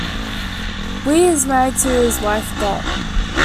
Wye is married to his first wife, Dot.